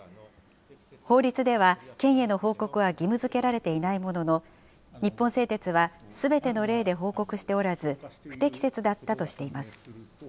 法律では県への報告は義務づけられていないものの、日本製鉄は、すべての例で報告しておらず不適切だったとしています。